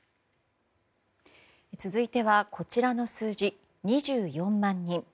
続いてはこちらの数字２４万人。